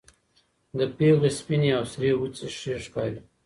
د پېغلې سپينې او سرې وڅې ښې ښکاري